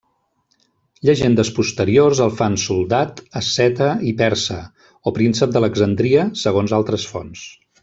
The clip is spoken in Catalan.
Llegendes posteriors el fan soldat, asceta i persa, o príncep d'Alexandria, segons altres fonts.